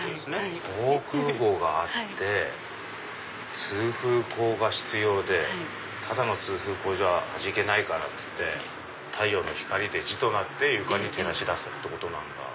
防空壕があって通風孔が必要でただの通風孔じゃ味気ないからっつって太陽の光で字となって床に照らし出すってことなんだ。